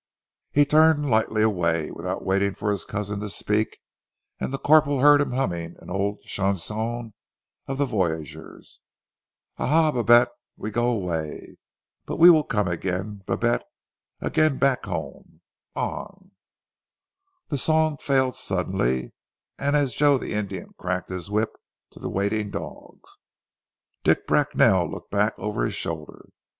He turned lightly away, without waiting for his cousin to speak, and the corporal heard him humming an old chanson of the Voyageurs "Ah, ah, Babette, We go away; But we will come Again, Babette Again back home, On " The song failed suddenly, and as Joe the Indian cracked his whip to the waiting dogs, Dick Bracknell looked back over his shoulder.